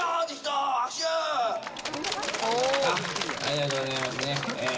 ありがとうございます。